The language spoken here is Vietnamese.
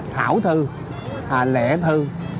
thảo thư lễ thư